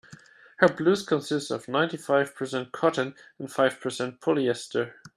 Her blouse consists of ninety-five percent cotton and five percent polyester.